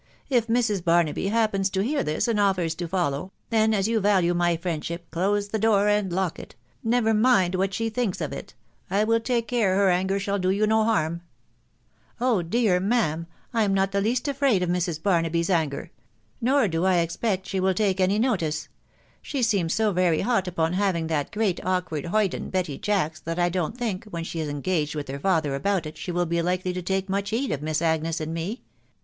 If Mrs. Barnaby happens to hear this, and offers to follow, then, as you value my friendship, close the door and lock it, — never mind what she thinks of it .... I will take care her anger shall do you no harm." " Oh dear, ma'am ! I'm not the least afraid of Mrs. Barnaby 's anger, .... nor do I expect she will take any notice. She seems so very hot upon having that great awk ward hoyden, Betty Jacks, that I don't think, when she is engaged with her father about it, she will be likely to take much heed of Miss Agnes and me.